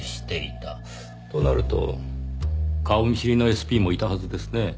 となると顔見知りのＳＰもいたはずですねぇ。